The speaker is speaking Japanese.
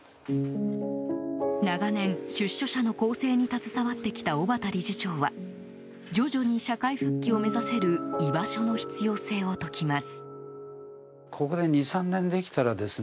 長年、出所者の更生に携わってきた小畑理事長は徐々に社会復帰を目指せる居場所の必要性を説きます。